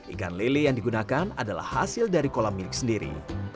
ikan lele yang digunakan adalah hasil dari kolam milik sendiri